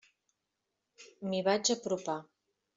M'hi vaig apropar.